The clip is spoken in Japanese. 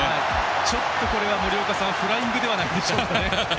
ちょっとこれは森岡さんフライングじゃないですか。